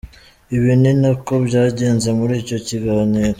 Ibi ni na ko byagenze muri icyo kiganiro.